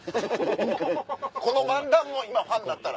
この漫談も今ファンになったら。